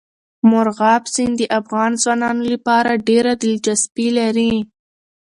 مورغاب سیند د افغان ځوانانو لپاره ډېره دلچسپي لري.